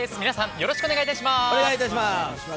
皆さん、よろしくお願い致します。